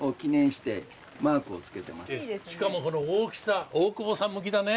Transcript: しかもこの大きさ大久保さん向きだね。